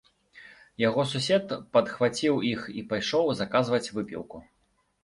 Яго сусед падхваціў іх і пайшоў заказваць выпіўку.